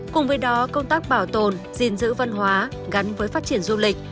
cùng với đó công tác bảo tồn gìn giữ văn hóa gắn với phát triển du lịch